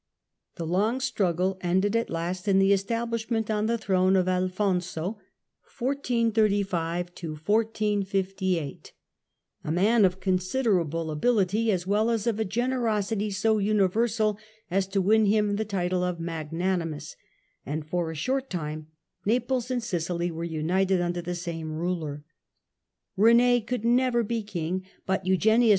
The long struggle ended at last in the establishment on the Alfonso be thronc of Alfonso, a man of considerable ability as well of Naples"^ ^s of a gcucrosity so universal as to win him the title of 1435 58 u Magnanimous," and for a short time Naples and Sicily were united under the same ruler. Rene could never be King, but Eugenius IV.